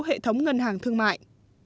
hệ thống ngân hàng thương mại